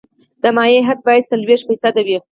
د مایع حد باید څلوېښت فیصده وي